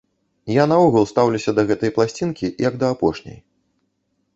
Я наогул стаўлюся да гэтай пласцінкі, як да апошняй.